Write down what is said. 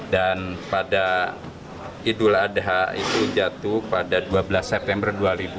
dan pada idul adha itu jatuh pada dua belas september dua ribu enam belas